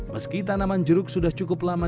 meski tanaman jeruk sudah cukup lama